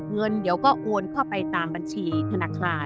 เงินเดี๋ยวก็โอนเข้าไปตามบัญชีธนาคาร